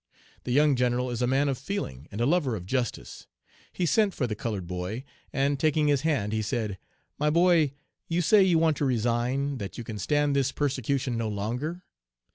The young general is a man of feeling and a lover of justice. He sent for the colored boy, and taking his hand he said: "'My boy, you say you want to resign, that you can stand this persecution no longer.